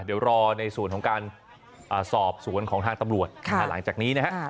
เดี๋ยวรอในส่วนของการสอบสวนของทางตำรวจหลังจากนี้นะฮะ